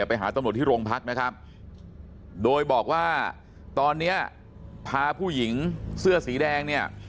ไปหาตำรวจที่โรงพักนะครับโดยบอกว่าตอนเนี้ยพาผู้หญิงเสื้อสีแดงเนี่ย